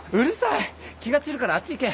気が散るからあっち行け！